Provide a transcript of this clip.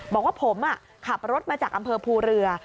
บอกว่าผมขับรถมาจากอำเภอภูเรือ